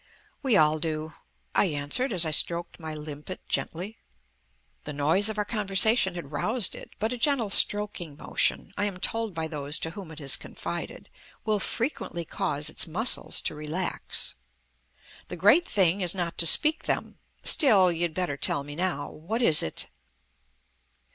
"We all do," I answered, as I stroked my limpet gently. The noise of our conversation had roused it, but a gentle stroking motion (I am told by those to whom it has confided) will frequently cause its muscles to relax. "The great thing is not to speak them. Still, you'd better tell me now. What is it?"